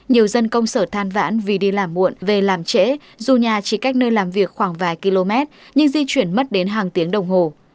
nhiều dân công sở than vãn vì đi làm muộn về làm trễ dù nhà chỉ cách nơi làm việc khoảng vài km nhưng di chuyển mất đến hàng tiếng đồng hồ